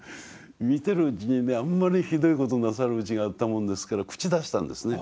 見てるうちにねあんまりひどいことなさるうちがあったもんですから口出したんですね。